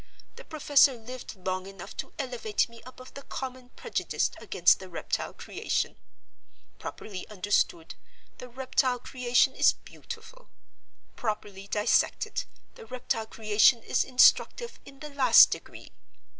The professor lived long enough to elevate me above the common prejudice against the reptile creation. Properly understood, the reptile creation is beautiful. Properly dissected, the reptile creation is instructive in the last degree."